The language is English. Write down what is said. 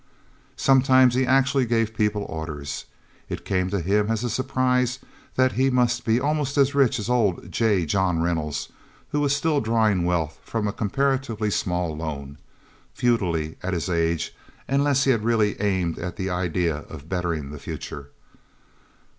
Sometimes he actually gave people orders. It came to him as a surprise that he must be almost as rich as old J. John Reynolds, who was still drawing wealth from a comparatively small loan futilely at his age, unless he had really aimed at the ideal of bettering the future.